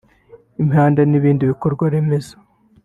imihanda n’ibindi bikorwaremezo